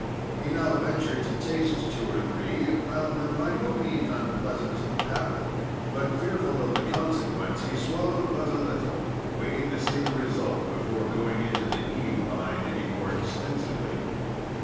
He now ventured to taste two or three, and found them by no means unpleasant to the palate; but, fearful of the consequence, he swallowed but a little, waiting to see the result before going into the eating line any more extensively.